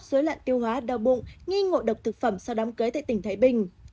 dưới lạn tiêu hóa đau bụng nghi ngộ độc thực phẩm sau đám kế tại tỉnh thái bình